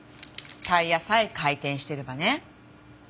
タイヤさえ回転してればね。